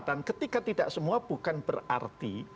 dan ketika tidak semua bukan berarti